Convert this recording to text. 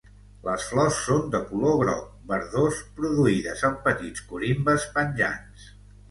Les flors són de color groc verdós, produïdes en petits corimbes penjants.